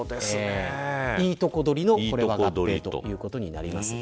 いいとこ取りの合併ということになります。